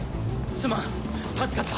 すまん助かった。